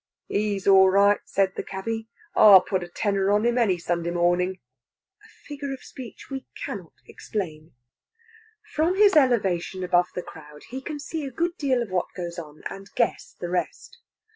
"He's all right!" said that cabby. "I'll put a tenner on him, any Sunday morning" a figure of speech we cannot explain. From his elevation above the crowd he can see a good deal of what goes on, and guess the rest.